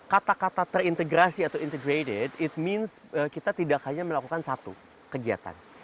kata kata terintegrasi atau integrated it means kita tidak hanya melakukan satu kegiatan